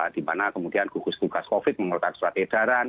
di mana kemudian gugus tugas covid mengeluarkan surat edaran